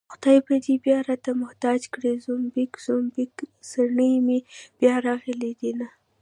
خدای به دې بيا راته محتاج کړي زومبک زومبک څڼې مې بيا راغلي دينه